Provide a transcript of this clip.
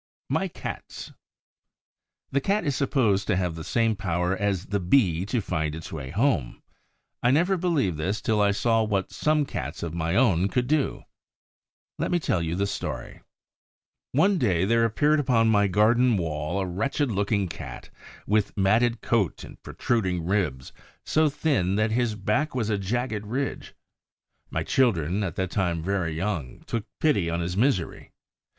MY CATS The Cat is supposed to have the same power as the Bee to find its way home. I never believed this till I saw what some Cats of my own could do. Let me tell you the story. One day there appeared upon my garden wall a wretched looking Cat, with matted coat and protruding ribs; so thin that his back was a jagged ridge. My children, at that time very young, took pity on his misery.